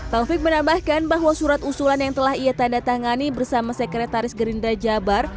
taufik menambahkan bahwa surat usulan yang telah ia tanda tangani bersama sekretaris gerindra jabar